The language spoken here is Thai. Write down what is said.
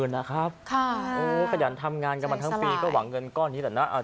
นะครับโอ้ขยันทำงานกันมาทั้งปีก็หวังเงินก้อนนี้แหละนะ